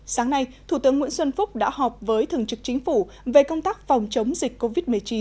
sáng nay thủ tướng nguyễn xuân phúc đã họp với thường trực chính phủ về công tác phòng chống dịch covid một mươi chín